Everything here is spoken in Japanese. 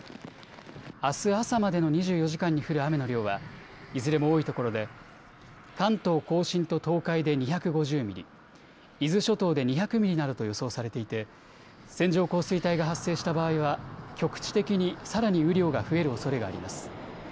あす朝までの２４時間に降る雨の量はいずれも多いところで関東甲信と東海で２５０ミリ、伊豆諸島で２００ミリなどと予想されていて線状降水帯が発生した場合は局地的にさらに雨量が増えるおそれがあります。